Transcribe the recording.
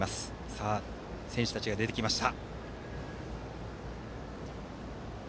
さあ、選手たちが出てきました。